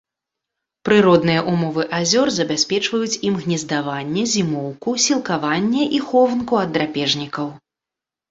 Прыродныя ўмовы азёр забяспечваюць ім гнездаванне, зімоўку, сілкаванне і хованку ад драпежнікаў.